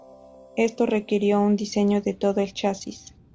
Esto requirió un rediseño de todo el chasis.